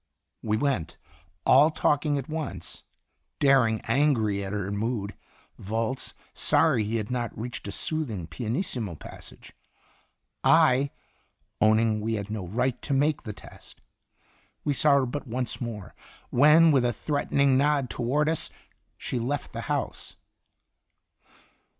We went, all talking at once, Dering angry 8 Qitt Itinerant at her mood; Volz, sorry he had not reached a soothing pianissimo passage; I, owning we had no right to make the test. We saw her but once more, when with a threatening nod toward us she left the house.